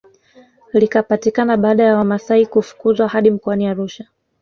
Likapatikana baada ya wamasai kufukuzwa hadi mkoani Arusha